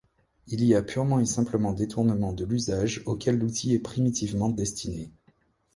Il y a purement et simplement détournement de l'usage auquel l'outil est primitivement destiné.